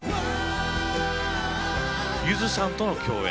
ゆずさんとの共演。